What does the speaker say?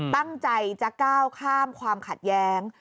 ตั้งใจจะก้าวข้ามความขัดแย้ง